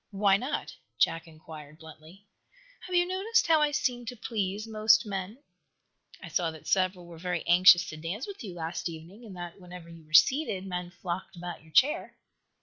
"Why not?" Jack inquired, bluntly. "Have you noticed how I seem to please most men?" "I saw that several were very anxious dance with you last evening, and that, whenever you were seated, men flocked about your chair."